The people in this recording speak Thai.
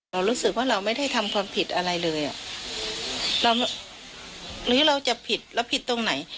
เรารู้สึกว่าเราไม่ได้ทำความผิดอะไรเลยอ่ะเราหรือเราจะผิดเราผิดตรงไหน